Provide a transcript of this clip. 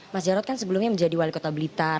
mas jarod kan sebelumnya menjadi wali kota blitar